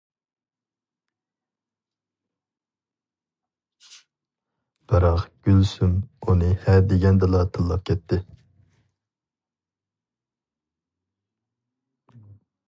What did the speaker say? بىراق گۈلسۈم ئۇنى ھە دېگەندىلا تىللاپ كەتتى.